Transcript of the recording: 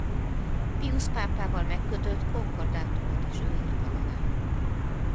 Piusz pápával megkötött konkordátumot is ő írta alá.